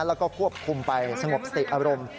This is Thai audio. แล้วก็ควบคุมไปสงบสติอารมณ์